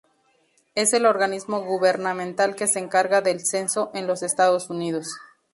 Es el organismo gubernamental que se encarga del censo en los Estados Unidos.